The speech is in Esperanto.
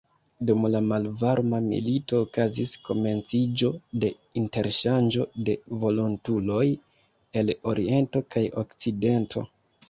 Dum la Malvarma Milito okazis komenciĝo de interŝanĝo de volontuloj el oriento kaj okcidento.